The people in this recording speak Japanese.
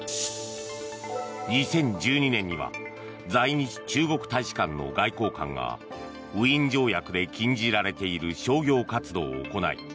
２０１２年には在日中国大使館の外交官がウィーン条約で禁じられている商業活動を行い